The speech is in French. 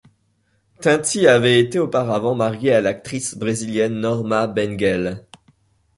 Tinti avait été auparavant marié à l'actrice brésilienne Norma Bengell.